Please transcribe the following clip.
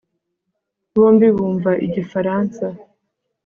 bombi bumva igifaransa